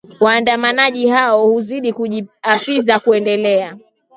waandamanaji hao kuzidi kujiapiza kuendelea